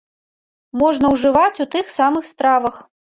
Можна ўжываць у тых самых стравах.